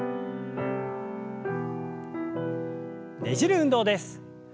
ねじる運動です。